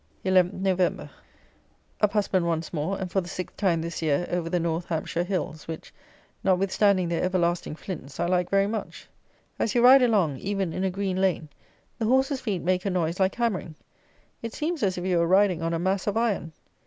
11 November. Uphusband once more, and, for the sixth time this year, over the North Hampshire Hills, which, notwithstanding their everlasting flints, I like very much. As you ride along, even in a green lane, the horses' feet make a noise like hammering. It seems as if you were riding on a mass of iron.